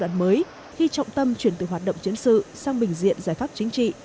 mới khi trọng tâm chuyển từ hoạt động chiến sự sang bình diện giải pháp chính trị